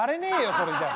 それじゃ。